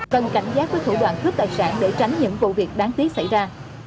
cần cảnh giác với thủ đoạn cướp tài sản để tránh những vụ việc đáng tiếc xảy ra